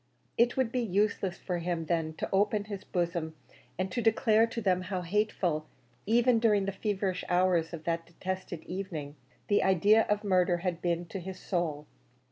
It would be useless for him, then, to open his bosom and to declare to them how hateful even during the feverish hours of that detested evening the idea of murder had been to his soul.